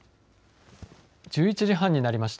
１１時半になりました。